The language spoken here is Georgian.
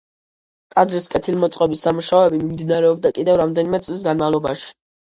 ტაძრის კეთილმოწყობის სამუშაოები მიმდინარეობდა კიდევ რამდენიმე წლის განმავლობაში.